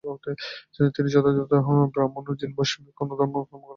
তিনিই যথার্থ ব্রাহ্মণ, যিনি বৈষয়িক কোন কর্ম করেন না।